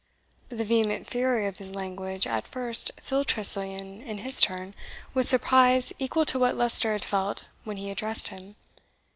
The vehement fury of his language at first filled Tressilian, in his turn, with surprise equal to what Leicester had felt when he addressed him.